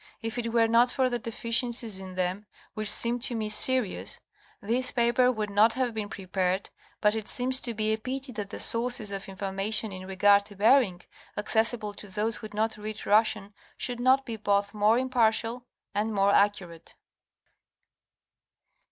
If it were not for the deficiencies in them, which seem to me serious, this paper would not have been prepared, but it seemed to be a pity that the sources of information in regard to Bering, accessible to those who do not read Russian should not be both more impartial and more accurate.